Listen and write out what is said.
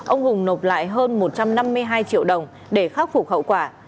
ông hùng nộp lại hơn một trăm năm mươi hai triệu đồng để khắc phục hậu quả